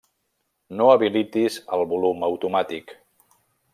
No habilitis el volum automàtic.